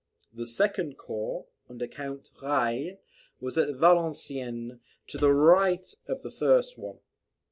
The second corps, under Count Reille, was at Valenciennes, to the right of the first one.